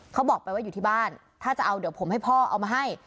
เขาบอกไปว่าอยู่ที่บ้านถ้าจะเอาเดี๋ยวผมให้พ่อเอามาให้